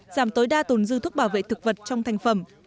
giảm tối đa tồn dư thuốc bảo vệ thực vật trong thành phẩm